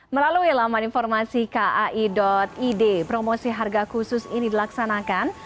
melalui laman informasi kai id promosi harga khusus ini dilaksanakan